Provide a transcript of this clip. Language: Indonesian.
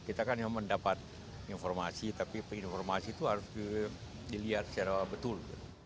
kita kan mendapat informasi tapi informasi itu harus dilihat secara betul